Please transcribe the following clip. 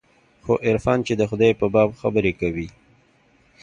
خو عرفان چې د خداى په باب خبرې کوي.